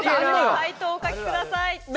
解答をお書きください